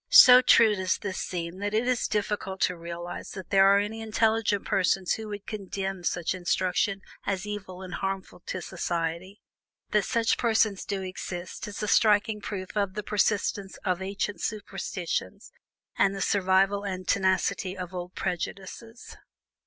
So true does this seem, that it is difficult to realize that there are any intelligent persons who would condemn such instruction as evil and harmful to society. That such persons do exist is a striking proof of the persistence of ancient superstitions and the survival and tenacity of old prejudices.